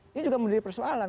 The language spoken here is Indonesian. ini juga menjadi persoalan